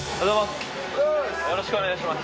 よろしくお願いします